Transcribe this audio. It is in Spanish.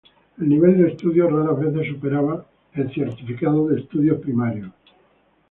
El nivel de estudios raras veces superaba el certificado de estudios primarios.